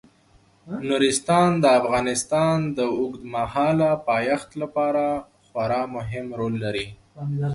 نورستان د افغانستان د اوږدمهاله پایښت لپاره خورا مهم رول لري.